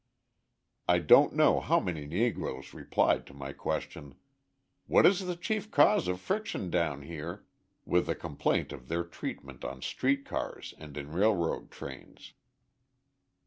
I don't know how many Negroes replied to my question: "What is the chief cause of friction down here?" with a complaint of their treatment on street cars and in railroad trains.